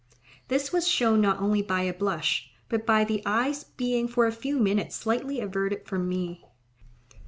This was shown not by a blush, but by the eyes being for a few minutes slightly averted from me.